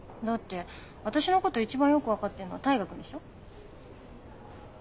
だって私のこと一番よく分かってんのは大牙君でしょ？